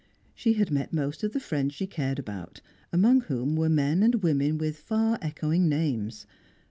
She had met most of the friends she cared about, among whom were men and women with far echoing names.